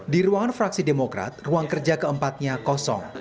di ruangan fraksi demokrat ruang kerja keempatnya kosong